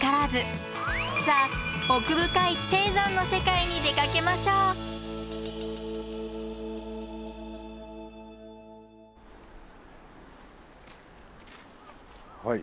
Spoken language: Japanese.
さあ奥深い低山の世界に出かけましょうはい。